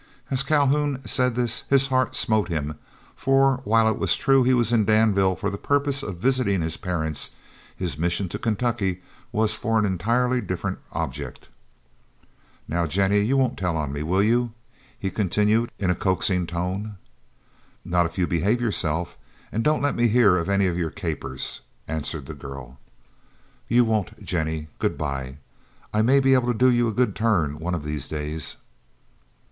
As Calhoun said this his heart smote him, for while it was true he was in Danville for the purpose of visiting his parents, his mission to Kentucky was for an entirely different object. "Now, Jennie, you won't tell on me, will you?" he continued, in a coaxing tone. "No, if you behave yourself; but don't let me hear of any of your capers," answered the girl. "You won't, Jennie. Good bye. I may be able to do you a good turn one of these days."